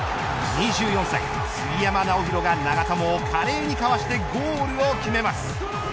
２４歳杉山直宏が長友を華麗にかわしてゴールを決めます。